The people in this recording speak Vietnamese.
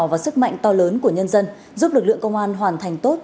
và sức mạnh to lớn của nhân dân giúp lực lượng công an hoàn thành tốt